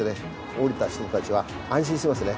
降りた人たちは安心しますね。